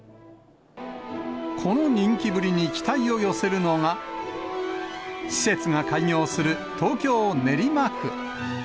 この人気ぶりに期待を寄せるのが、施設が開業する東京・練馬区。